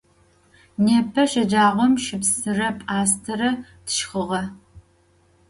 Nêpe şecağom şıpsıre p'astere tşşxığe.